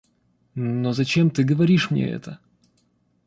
Но зачем ты говоришь мне это?